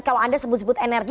kalau anda sebut sebut energi